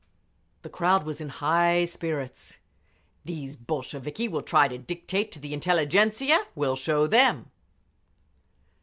The crowd was in high spirits. "These Bolsheviki will try to dictate to the intelligentzia? We'll show them!"